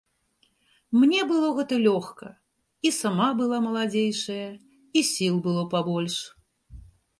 Мне было гэта лёгка, і сама была маладзейшая, і сіл было пабольш.